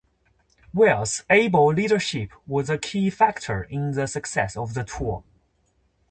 Wells' able leadership was a key factor in the success of the tour.